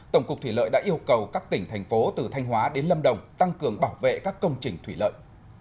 tổng cục thủy lợi đã yêu cầu các tỉnh thành phố từ thanh hóa đến lâm đồng tăng cường bảo vệ các công trình thủy lợi